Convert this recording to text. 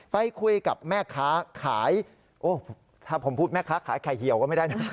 ไปคุยกับแม่ค้าขายโอ้ถ้าผมพูดแม่ค้าขายไข่เหี่ยวก็ไม่ได้นะ